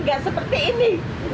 gak seperti ini